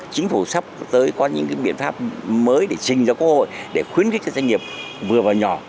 chính phủ sắp tới có những biện pháp mới để trình ra quốc hội để khuyến khích cho doanh nghiệp vừa và nhỏ